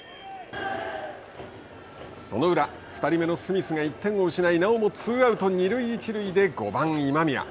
その裏２人目のスミスが１点を失いなおもツーアウト、二塁一塁で５番今宮。